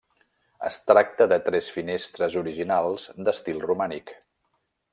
Es tracta de tres finestres originals d'estil romànic.